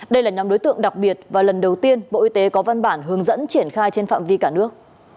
đây là nhóm đối tượng đặc biệt và lần đầu tiên bộ y tế có văn bản hướng dẫn triển khai trên phạm vi cả nước